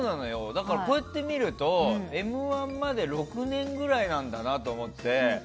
だから、こうして見ると「Ｍ‐１」まで６年ぐらいなんだなと思って。